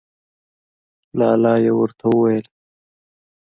لا لا یې ورته وویل.